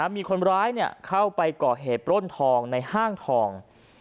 มีคนร้ายเข้าไปก่อเหตุปล้นทองในห้างทอง